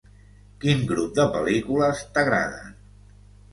Quin grup de pel·lícules t'agraden?